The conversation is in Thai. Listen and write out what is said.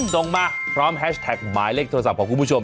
ส่งมาพร้อมแฮชแท็กหมายเลขโทรศัพท์ของคุณผู้ชม